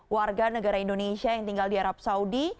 warga negara indonesia yang tinggal di arab saudi